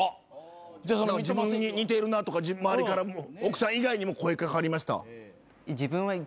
自分に似てるなとか奥さん以外にも声掛かりました？